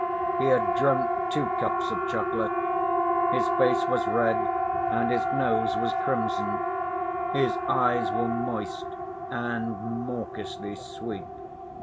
He had drunk two cups of chocolate. His face was red, and his nose was crimson; his eyes were moist and mawkishly sweet.